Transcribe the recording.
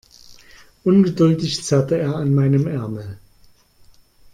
Ungeduldig zerrte er an meinem Ärmel.